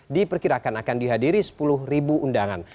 diperkirakan akan dihadiri sepuluh undangan